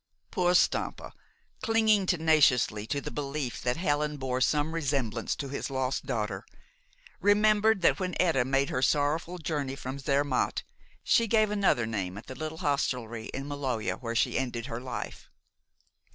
Poor Stampa! clinging tenaciously to the belief that Helen bore some resemblance to his lost daughter, remembered that when Etta made her sorrowful journey from Zermatt she gave another name at the little hostelry in Maloja where she ended her life.